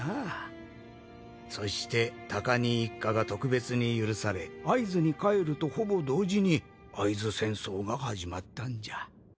そして高荷一家が特別に許され会津に帰るとほぼ同時に会津戦争が始まったんじゃ。